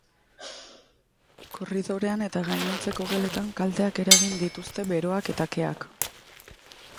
Korridorean eta gainontzeko geletan kalteak eragin dituzte beroak eta keak.